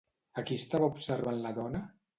A qui estava observant la dona?